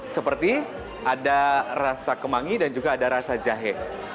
seperti ada rasa kemangi dan juga ada rasa jahe